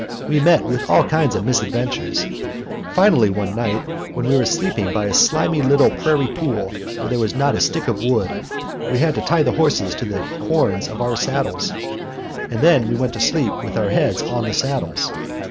We met with all kinds of misadventures. Finally one night, when we were sleeping by a slimy little prairie pool where there was not a stick of wood, we had to tie the horses to the horns of our saddles; and then we went to sleep with our heads on the saddles.